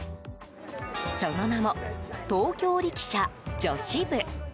その名も、東京力車女子部。